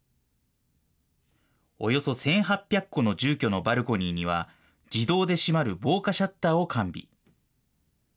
およそ１８００戸の住居のバルコニーには、自動で閉まる防火シャッターを完備。